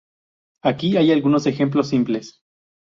Aquí hay algunos ejemplos simples.